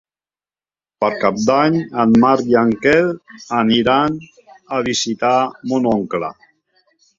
Per Cap d'Any en Marc i en Quel aniran a visitar mon oncle.